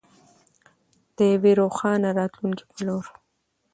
د یوې روښانه راتلونکې په لور.